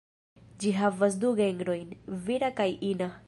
Ĝi havas du genrojn: vira kaj ina.